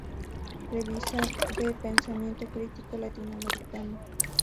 Revista de pensamiento crítico latinoamericano".